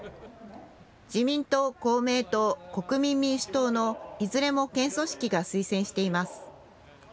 自民党、公明党、国民民主党の、いずれも県組織が推薦しています。